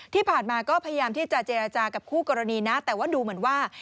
ที่ผ่านมาก็พยายามที่จะเจรจากับคู่กรณีนะแต่ว่าดูเหมือนว่า